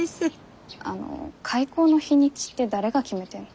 あの開口の日にちって誰が決めてんの？